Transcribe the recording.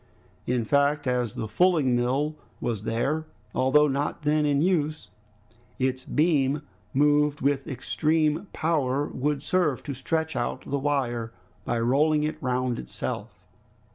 In fact as the fulling mill was there, although not then in use, its beam moved with extreme power would serve to stretch out the wire by rolling it round itself.